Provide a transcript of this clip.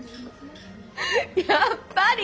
やっぱり！